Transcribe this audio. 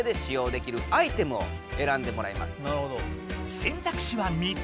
選択肢は３つ。